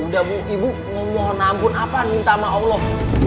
udah ibu mohon ampun apaan minta sama allah